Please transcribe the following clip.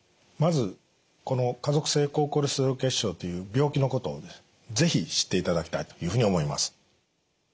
まずこの家族性高コレステロール血症という病気のことをね是非知っていただきたいというふうに思います。